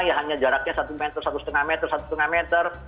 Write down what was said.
ya hanya jaraknya satu meter satu lima meter satu lima meter